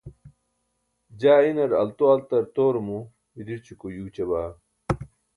jaa inar altoaltartoorumo biḍirćuko yuuća baa